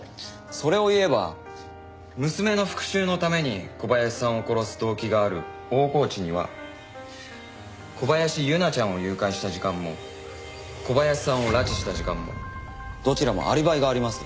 それを言えば娘の復讐のために小林さんを殺す動機がある大河内には小林優菜ちゃんを誘拐した時間も小林さんを拉致した時間もどちらもアリバイがあります。